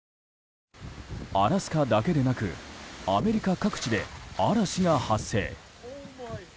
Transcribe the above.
アラスカだけでなくアメリカ各地で嵐が発生。